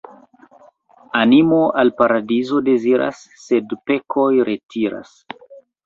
Animo al paradizo deziras, sed pekoj retiras.